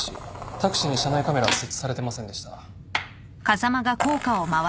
タクシーに車内カメラは設置されてませんでした。